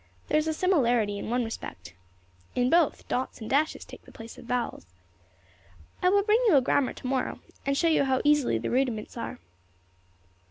There is a similarity in one respect. In both, dots and dashes take the place of vowels. I will bring you a grammar to morrow, and show you how easy the rudiments are."